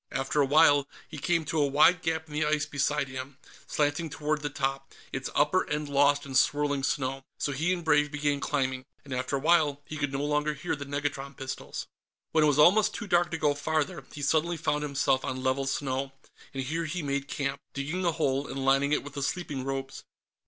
After a while, he came to a wide gap in the ice beside him, slanting toward the top, its upper end lost in swirling snow. So he and Brave began climbing, and after a while he could no longer hear the negatron pistols. When it was almost too dark to go farther, he suddenly found himself on level snow, and here he made camp, digging a hole and lining it with the sleeping robes.